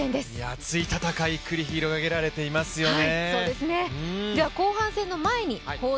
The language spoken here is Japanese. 熱い戦い繰り広げられていますよね。